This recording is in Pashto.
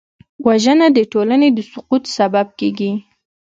وژنه د ټولنې د سقوط سبب کېږي